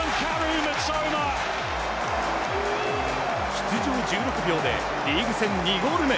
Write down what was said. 出場１６秒でリーグ戦２ゴール目。